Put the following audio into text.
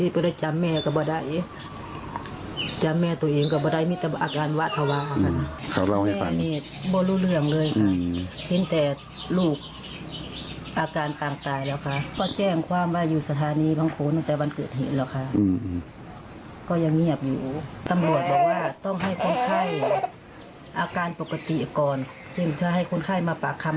เป็นลูกที่ใกล้ตีก่อนจึงถ้าให้คุณไข้มาปากคำ